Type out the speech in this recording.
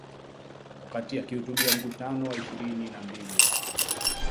Wakati akihutubia Mkutano wa ishirini na mbili wa